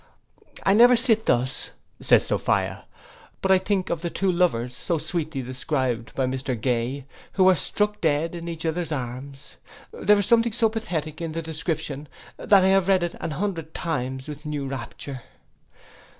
'I never sit thus,' says Sophia, 'but I think of the two lovers, so sweetly described by Mr Gay, who were struck dead in each other's arms. There is something so pathetic in the description, that I have read it an hundred times with new rapture.